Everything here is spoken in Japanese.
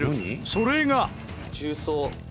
それが。